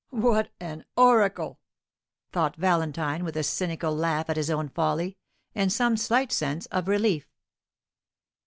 "What an oracle!" thought Valentine, with a cynical laugh at his own folly, and some slight sense of relief.